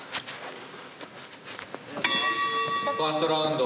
「ファーストラウンド」。